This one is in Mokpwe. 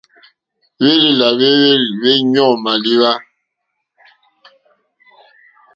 Hwélèlà hwémá hwéɲɔ́ǃɔ́ mâléwá.